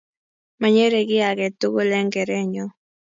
manyere kiy age tugul eng keerenyo